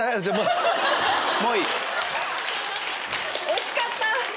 惜しかった！